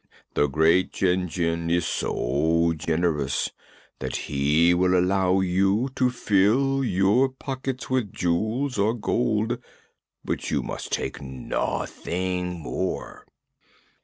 The Great Jinjin is so generous that he will allow you to fill your pockets with jewels or gold, but you must take nothing more."